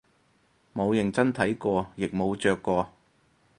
冇認真睇過亦冇着過